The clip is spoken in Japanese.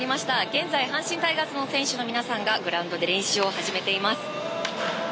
現在阪神タイガースの選手の皆さんがグラウンドで練習を始めています。